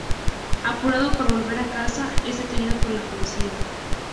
Apurado por volver a casa, es detenido por la policía.